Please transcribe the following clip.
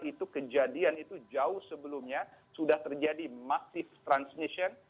itu kejadian itu jauh sebelumnya sudah terjadi masif transmission